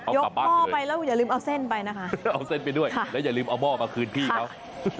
เอาไปบ้านกันเลยเอาเส้นไปด้วยแล้วอย่าลืมเอาหม้อมาคืนพี่เขาค่ะ